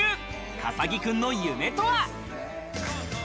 笠置くんの夢とは？